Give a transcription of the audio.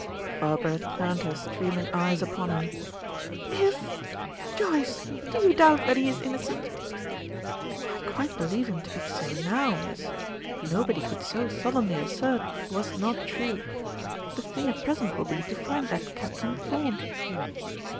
Barbara turned her streaming eyes upon her. "If! Joyce do you doubt that he is innocent?" "I quite believe him to be so now, miss. Nobody could so solemnly assert what was not true. The thing at present will be to find that Captain Thorn."